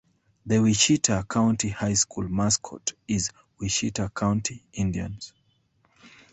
The Wichita County High School mascot is Wichita County Indians.